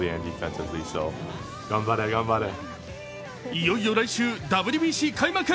いよいよ来週、ＷＢＣ開幕。